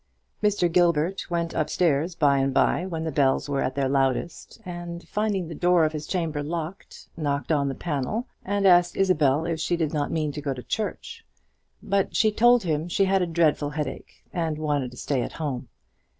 Mr. Gilbert went up stairs by and by, when the bells were at their loudest, and, finding the door of his chamber locked, knocked on the panel, and asked Isabel if she did not mean to go to church. But she told him she had a dreadful headache, and wanted to stay at home.